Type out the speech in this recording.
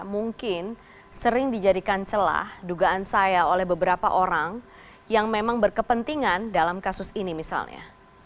mungkin sering dijadikan celah dugaan saya oleh beberapa orang yang memang berkepentingan dalam kasus ini misalnya